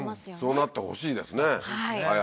そうなってほしいですね。